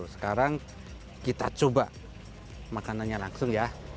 sekarang kita coba makanannya langsung ya